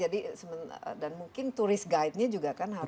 dan mungkin tourist guide nya juga kan harus